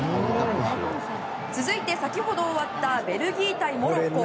続いて先ほど終わったベルギー対モロッコ。